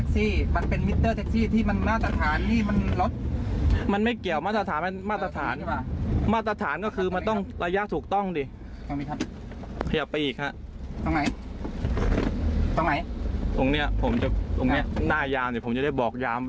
จะไปอีกครับตอนไหนตอนไหนตรงเนี่ยผมจะเป็นหน้าย้างที่ผมจะได้บอกย้าง